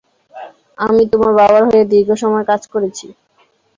আমি তোমার বাবার হয়ে দীর্ঘ সময় কাজ করেছি।